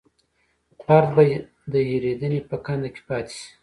فرد به د هېرېدنې په کنده کې پاتې شي.